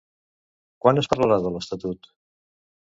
Quan es parlarà de l'estatut?